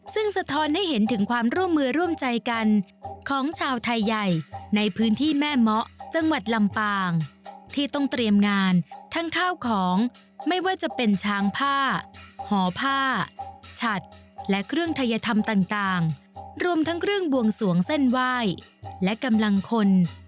ซึ่งสะท้อนให้เห็นถึงความร่วมมือร่วมใจกันของชาวไทยใหญ่ในพื้นที่แม่เมาะจังหวัดลำปางที่ต้องเตรียมงานทั้งข้าวของไม่ว่าจะเป็นช้างผ้าห่อผ้าฉัดและเครื่องทัยธรรมต่างรวมทั้งเครื่องบวงสวงเส้นไหว้และกำลังคน